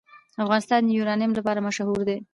افغانستان د یورانیم لپاره مشهور دی.